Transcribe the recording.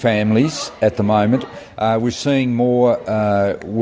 kami melihat lebih banyak orang yang bekerja yang kecil